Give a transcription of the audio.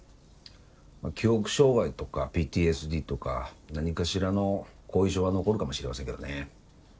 まあ記憶障害とかＰＴＳＤとか何かしらの後遺症は残るかもしれませんけどね。